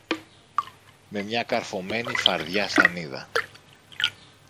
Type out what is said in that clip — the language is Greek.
με μια καρφωμένη φαρδιά σανίδα.